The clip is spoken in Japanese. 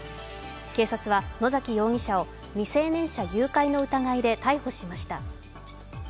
警察は、野崎容疑者を未成年者誘拐の疑いで逮捕しました。